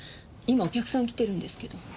今お客さん来てるんですけど。